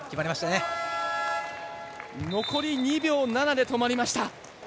残り２秒７で止まりました。